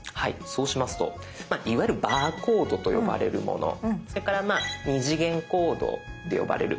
そうしますとまあいわゆるバーコードと呼ばれるものそれから二次元コードって呼ばれるものがあると思います。